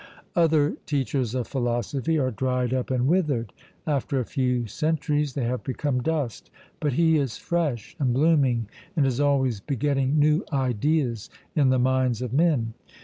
Other teachers of philosophy are dried up and withered, after a few centuries they have become dust; but he is fresh and blooming, and is always begetting new ideas in the minds of men.